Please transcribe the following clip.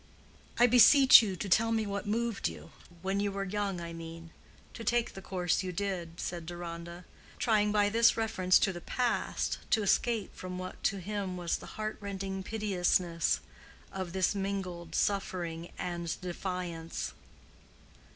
"I beseech you to tell me what moved you—when you were young, I mean—to take the course you did," said Deronda, trying by this reference to the past to escape from what to him was the heart rending piteousness of this mingled suffering and defiance.